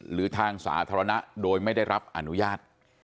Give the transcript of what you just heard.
หรือทางสาธารณะโดยไม่ได้รับอนุญาต